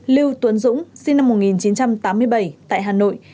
lưu tuấn dũng sinh năm một nghìn chín trăm tám mươi bảy tại hà nội